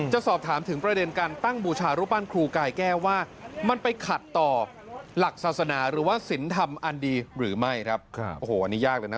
หรือว่าศิลป์ทำมันอันดีหรือไม่ไหมครับ